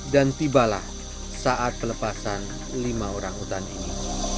dan tibalah saat pelepasan lima orangutan ini